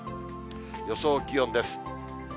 予想気温です。